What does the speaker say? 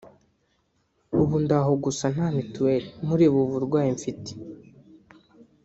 ubu ndaho gusa nta mituweri mureba ubu burwayi mfite